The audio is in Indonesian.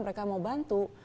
mereka mau bantu